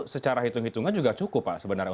secara hitung hitungan juga cukup pak sebenarnya